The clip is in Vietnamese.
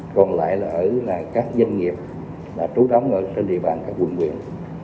còn lại là ở các doanh nghiệp là trú đóng ở trên địa bàn các quận quyện